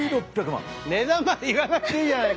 値段まで言わなくていいじゃないか。